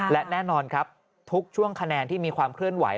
และแน่นอนครับทุกช่วงคะแนนที่มีความเคลื่อนไหว